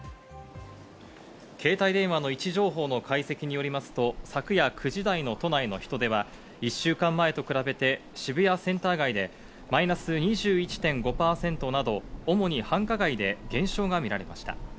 携帯電話の位置情報の解析によりますと、昨夜９時台の都内の人出は１週間前と比べて、渋谷センター街でマイナス２１．５％など、主に繁華街で減少が見られました。